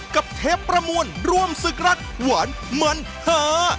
เทปประมวลร่วมศึกรักหวานมันหา